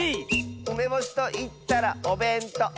「うめぼしといったらおべんとう！」